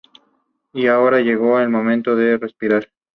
Su situación geográfica es en el noreste de Túnez.